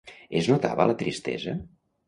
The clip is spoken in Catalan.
Es notava la tristesa?